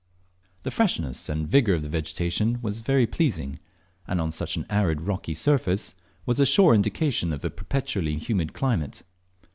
The freshness and vigour of the vegetation was very pleasing, and on such an arid rocky surface was a sure indication of a perpetually humid climate.